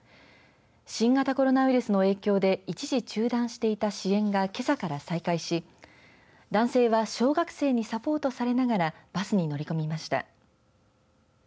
新型コロナウイルスの影響で一時、中断していた支援がけさから再開し男性は小学生にサポートされながらバスに乗り込みました。